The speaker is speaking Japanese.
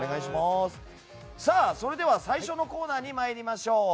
それでは最初のコーナーに参りましょう。